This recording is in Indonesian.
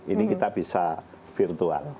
ini kita bisa virtual